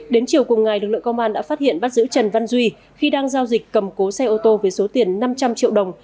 đến chiều cùng ngày lực lượng công an đã phát hiện bắt giữ trần văn duy khi đang giao dịch cầm cố xe ô tô với số tiền năm trăm linh triệu đồng